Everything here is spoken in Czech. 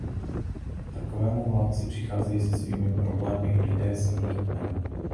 K takovému vládci přicházejí se svými problémy i lidé z jiných kmenů.